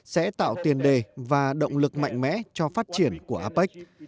sẽ tạo tiền đề và động lực mạnh mẽ cho phát triển của apec